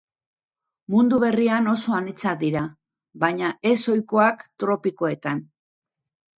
Mundu Berrian oso anitzak dira, baina ez-ohikoak tropikoetan.